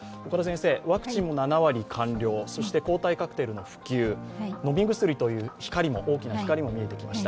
ワクチンも７割完了、抗体カクテルの普及、飲み薬という大きな光も出てきました。